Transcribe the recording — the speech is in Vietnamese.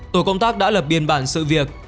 tổ công tác đã lập biên bản sự việc